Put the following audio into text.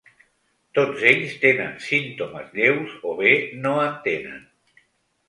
Tots ells tenen símptomes lleus o bé no en tenen.